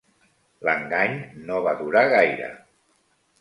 L'engany no va durar gaire.